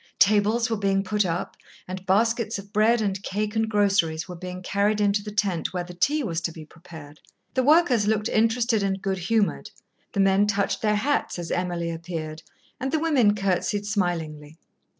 Tables were being put up, and baskets of bread and cake and groceries were being carried into the tent where the tea was to be prepared. The workers looked interested and good humoured; the men touched their hats as Emily appeared, and the women courtesied smilingly.